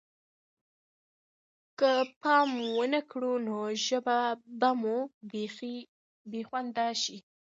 که پام ونه کړو نو ژبه به مو بې خونده شي.